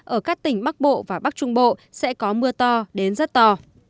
ở các tỉnh bắc bộ và bắc trung bộ sẽ có mưa to đến rất to